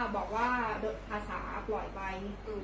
บอกว่าภาษาปล่อยไป